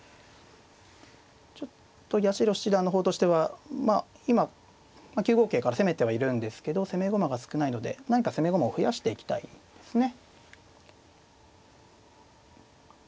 ちょっと八代七段の方としてはまあ今９五桂から攻めてはいるんですけど攻め駒が少ないので何か攻め駒を増やしていきたいですね。